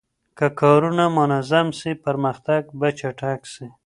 که کارونه منظم سي پرمختګ به چټک سي.